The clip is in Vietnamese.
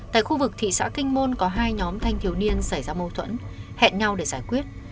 tại khu vực thị xã kinh môn có hai nhóm thanh thiếu niên xảy ra mâu thuẫn hẹn nhau để giải quyết